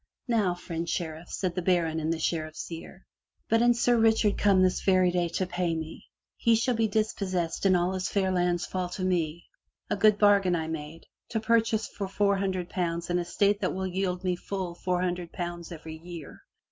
"Now, friend Sheriff," says the baron in the Sheriff's ear, 65 MY BOOK HOUSE "but an Sir Richard come this very day to pay me, he shall be dispossessed and all his fair lands fall to me. A good bargain I made — to purchase for four hundred pounds an estate that will yield me full four hundred pounds every year.